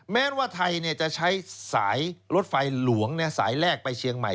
แม้ว่าไทยจะใช้สายรถไฟหลวงสายแรกไปเชียงใหม่